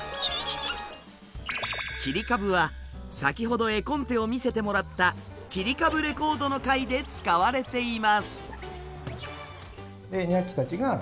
切り株は先ほど絵コンテを見せてもらった「きりかぶレコード」の回で使われています。